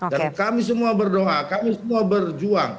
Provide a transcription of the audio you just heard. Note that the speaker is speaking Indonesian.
dan kami semua berdoa kami semua berjuang